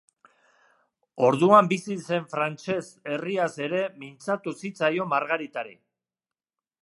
Orduan bizi zen frantses herriaz ere mintzatu zitzaion Margaritari.